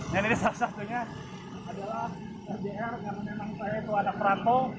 dan ini salah satunya adalah rdr karena memang saya itu anak perantau